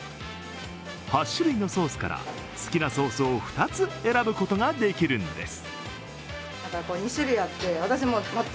８種類のソースから好きなソースを２つ選ぶことができるんです。